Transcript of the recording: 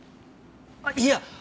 あっいや